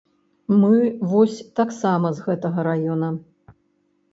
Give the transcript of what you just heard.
Мы вось таксама з гэтага раёна.